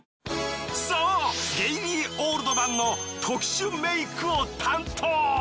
そうゲイリー・オールドマンの特殊メイクを担当。